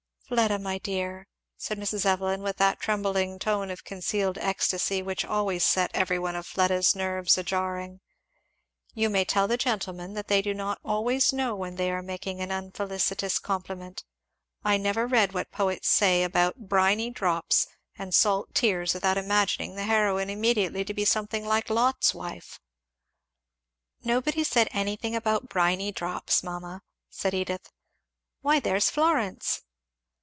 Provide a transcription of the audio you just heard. "Fleda my dear," said Mrs. Evelyn, with that trembling tone of concealed ecstasy which always set every one of Fleda's nerves a jarring, "you may tell the gentlemen that they do not always know when they are making an unfelicitous compliment I never read what poets say about 'briny drops' and 'salt tears' without imagining the heroine immediately to be something like Lot's wife." "Nobody said anything about briny drops, mamma," said Edith. "Why there's Florence!